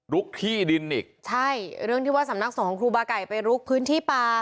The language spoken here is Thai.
ที่ดินอีกใช่เรื่องที่ว่าสำนักสงฆ์ของครูบาไก่ไปลุกพื้นที่ป่า